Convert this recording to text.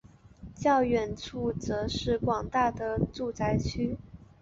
较远处则是广大的住宅区。